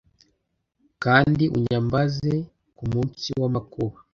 kandi unyambaze ku munsi w amakuba